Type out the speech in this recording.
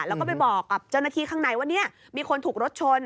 แล้วก็ไปบอกจนกระทีข้างในว่ามีคนถูกรถชน